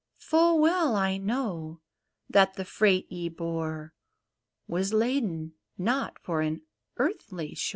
Full well I know that the freight ye bore Was laden not for an earthly shore